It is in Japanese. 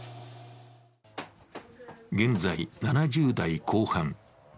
現在７０代後半。